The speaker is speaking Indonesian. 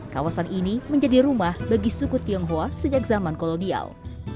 kawasan ini menjadi rumah bagi suku tionghoa sejak zaman kolonial